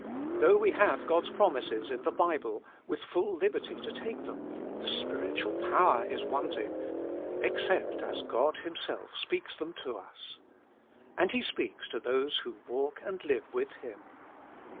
Though we have God's promises in the Bible, with full liberty to take them, the spiritual power is wanting, except as God Himself speaks them to us. And He speaks to those who walk and live ivith Him.